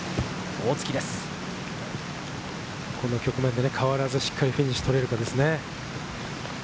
この局面で変わらず、しっかりフィニッシュを取れるかですね。